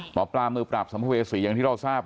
หมอปลามือปราบสัมภเวษีอย่างที่เราทราบ